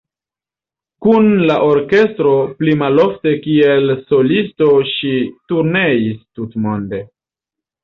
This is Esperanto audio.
Kun la orkestro, pli malofte kiel solisto ŝi turneis tutmonde.